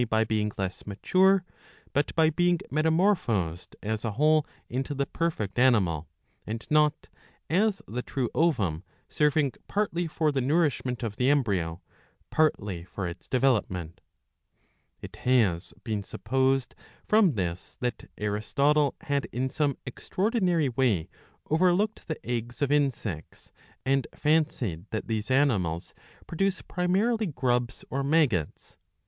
The scolex was distin guished from the ovum not only by being less mature, but by being metamorphosed as a whole into the perfect animal ; and not, as the true ovum, serving partly for the nourishment of the embryo, partly for its development. It has been supposed from this that Aristotle had in some extraordinary way overlooked the eggs of insects, and fancied that these animals produce primarily grubs or maggots.